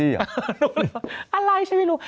อะไรฉันไม่รู้